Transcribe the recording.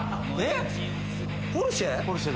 ポルシェ？